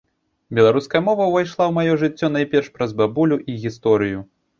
Беларуская мова ўвайшла ў маё жыццё найперш праз бабулю і гісторыю.